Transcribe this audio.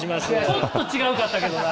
ちょっと違うかったけどな。